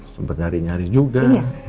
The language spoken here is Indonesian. sempat nyari nyari juga